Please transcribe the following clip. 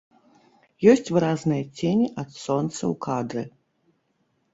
Ёсць выразныя цені ад сонца ў кадры.